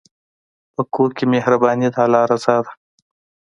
په کور کې مهرباني د الله رضا ده.